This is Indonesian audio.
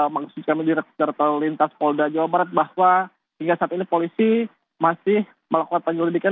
maksud kami direktur lalu lintas polda jawa barat bahwa hingga saat ini polisi masih melakukan penyelidikan